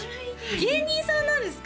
芸人さんなんですか？